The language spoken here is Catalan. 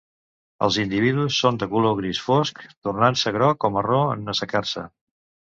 Els individus són de color gris fosc, tornant-se groc o marró en assecar-se.